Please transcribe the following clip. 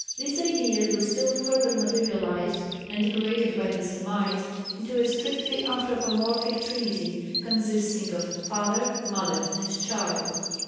This idea was still further materialized and degraded by the Semites into a strictly anthropomorphic Trinity consisting of father, mother and child.